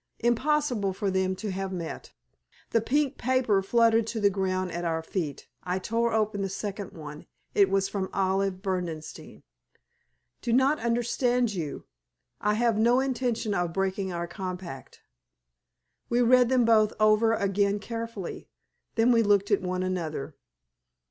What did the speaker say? Impossible for them to have met." The pink paper fluttered to the ground at our feet. I tore open the second one; it was from Olive Berdenstein "Do not understand you. I have no intention of breaking our compact." We read them both over again carefully. Then we looked at one another.